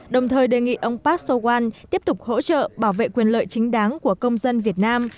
đồng thời đề nghị ông park sowan tiếp tục hỗ trợ bảo vệ quyền lợi chính đáng của công dân việt nam